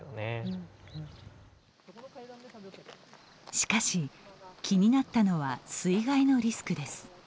しかし、気になったのは水害のリスクです。